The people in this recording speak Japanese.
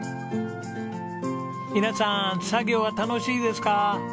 皆さん作業は楽しいですか？